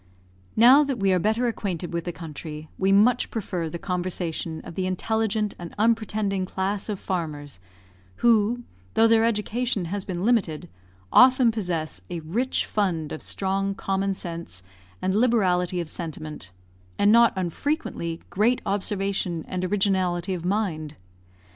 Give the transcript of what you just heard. Now that we are better acquainted with the country, we much prefer the conversation of the intelligent and unpretending class of farmers, who, though their education has been limited, often possess a rich fund of strong commonsense and liberality of sentiment, and not unfrequently great observation and originality of mind.